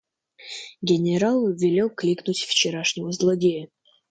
Генерал велел кликнуть вчерашнего злодея.